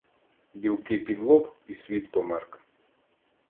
Білки під лоб — і світ померк.